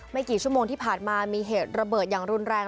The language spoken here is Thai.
กี่ชั่วโมงที่ผ่านมามีเหตุระเบิดอย่างรุนแรง